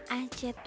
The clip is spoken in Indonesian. tapi gak suka itu